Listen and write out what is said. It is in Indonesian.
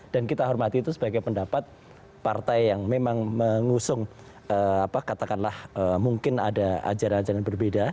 dan kita hormati itu sebagai pendapat partai yang memang mengusung katakanlah mungkin ada ajaran ajaran berbeda